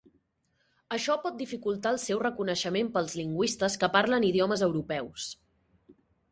Això pot dificultar el seu reconeixement pels lingüistes que parlen idiomes europeus.